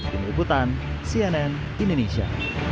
dini ibutan cnn indonesia